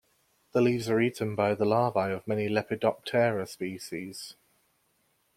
The leaves are eaten by the larvae of many Lepidoptera species.